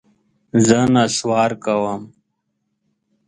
زه نسوار کوم.